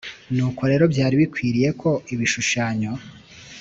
Nuko rero byari bikwiriye ko ibishushanyo